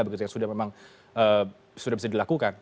begitu yang sudah memang sudah bisa dilakukan